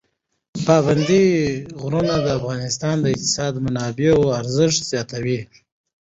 پابندی غرونه د افغانستان د اقتصادي منابعو ارزښت زیاتوي.